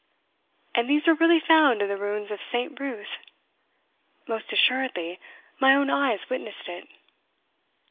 And these were really found in the ruins of St. Ruth?" "Most assuredly my own eyes witnessed it."